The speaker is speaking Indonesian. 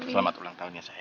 selamat ulang tahun ya sa'la